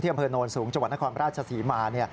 อำเภอโนนสูงจังหวัดนครราชศรีมา